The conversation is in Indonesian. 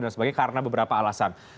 dan sebagainya karena beberapa alasan